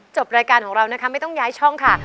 จบรายการของเรานะคะไม่ต้องย้ายช่องค่ะ